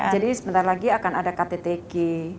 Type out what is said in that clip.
jadi sebentar lagi akan ada ktt g tujuh puluh tujuh